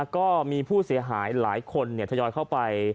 ก็มีผู้เสียหายหลายคนทยอยเข้าไป